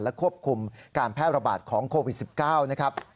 ควบคุมการแพร่ระบาดของโควิด๑๙นะครับ